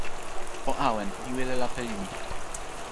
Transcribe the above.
o awen. mi wile lape lili.